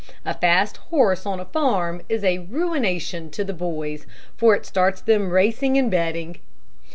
A fast horse on a farm is ruination to the boys, for it starts them racing and betting.